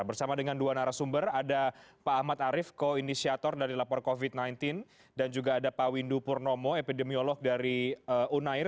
bersama dengan dua narasumber ada pak ahmad arief koinisiator dari lapor covid sembilan belas dan juga ada pak windu purnomo epidemiolog dari unair